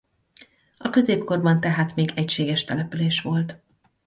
A középkorban tehát még egységes település volt.